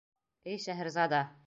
— Эй Шәһрезада!